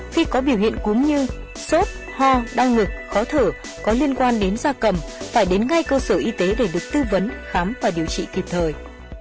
khi có biểu hiện cúm như sốt ho đau ngực khó thở có liên quan đến da cầm phải đến ngay cơ sở y tế để được tư vấn khám và điều trị kịp thời